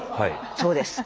そうです。